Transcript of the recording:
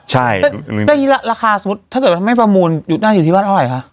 ใช่ได้อย่างงี้ล่ะราคาสมมุติถ้าเกิดทำให้ประมูลอยู่ได้อยู่ที่บ้านเท่าไหร่คะ